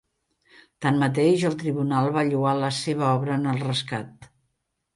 Tanmateix, el tribunal va lloar la seva obra en el rescat.